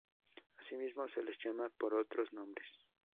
Asimismo se les llama por otros nombres.